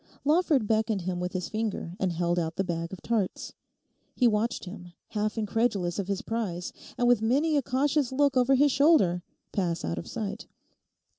Lawford beckoned him with his finger and held out the bag of tarts. He watched him, half incredulous of his prize, and with many a cautious look over his shoulder, pass out of sight.